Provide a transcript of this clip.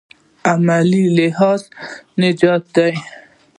عملي لحاظ نژدې دي.